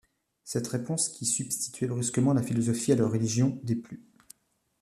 Cette réponse, qui substituait brusquement la philosophie à la religion, déplut.